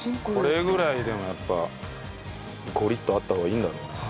これぐらいでもやっぱゴリッとあった方がいいんだろうね。